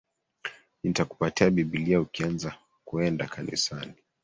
Nitakupatia Bibilia ukianza kuenda kanisani.